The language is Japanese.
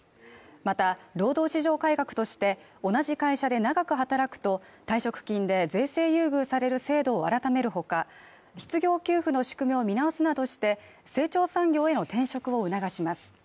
また、労働市場改革として、同じ会社で長く働くと退職金で税制優遇される制度を改める他、失業給付の仕組みを見直すなどして、成長産業への転職を促します。